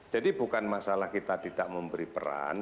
jadi bukan masalah kita tidak memberi peran